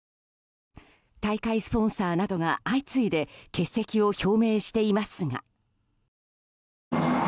大会スポンサーなどが相次いで欠席を表明していますが。